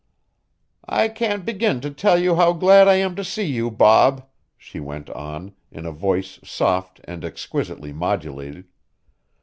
"I can't begin to tell you how glad I am to see you, Bob," she went on, in a voice soft and exquisitely modulated.